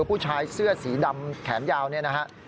ผู้ชายเสื้อสีดำแขนยาวเนี่ยนะฮะ